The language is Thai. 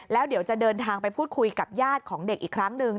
แล้วเดี๋ยวจะเดินทางไปพูดคุยกับญาติของเด็กอีกครั้งหนึ่ง